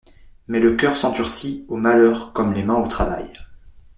Mais le cœur s'endurcit au malheur comme les mains au travail.